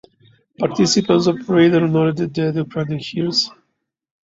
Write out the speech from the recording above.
Participants of parade honored the dead Ukrainian heroes.